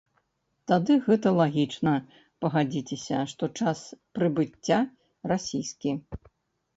Тады гэта лагічна, пагадзіцеся, што час прыбыцця расійскі.